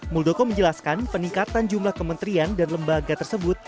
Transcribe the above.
muldoko menjelaskan peningkatan jumlah kementerian dan lembaga tersebut